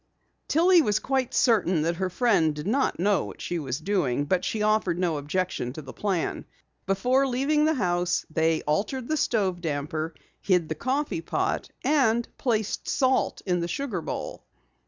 Tillie was quite certain that her friend did not know what she was doing, but she offered no objection to the plan. Before leaving the house they altered the stove damper, hid the coffee pot, and placed salt in the sugar bowl.